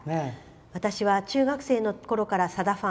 私は中学生のころからさだファン。